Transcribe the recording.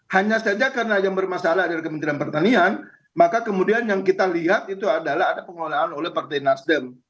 hanya saja karena yang bermasalah adalah kementerian pertanian maka kemudian yang kita lihat itu adalah ada pengelolaan oleh partai nasdem